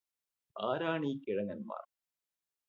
ആരാണീ കിഴങ്ങന്മാര്